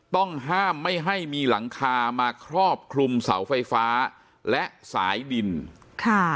ต้องห้ามไม่ให้มีหลังคามาครอบคลุมเสาไฟฟ้าและสายดินค่ะ